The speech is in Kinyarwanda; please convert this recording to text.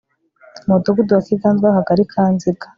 Mudugudu wa Kiganzwa Akagari ka Nziga